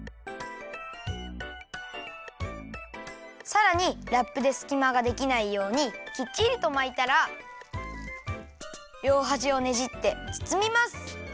さらにラップですきまができないようにきっちりとまいたらりょうはじをねじってつつみます。